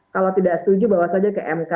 kalau tidak setuju bawa saja ke mk